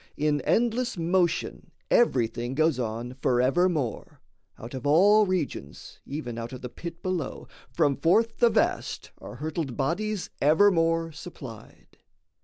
In endless motion everything goes on Forevermore; out of all regions, even Out of the pit below, from forth the vast, Are hurtled bodies evermore supplied.